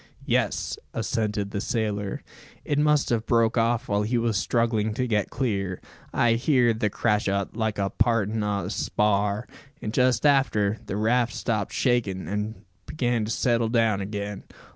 "Yes," assented the sailor. "It must have broke off while he was struggling to get clear, I heerd the crash o't, like the partin' o' a spar; and just after, the raft stopped shakin', an' began to settle down again.